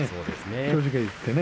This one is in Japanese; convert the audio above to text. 正直言ってね。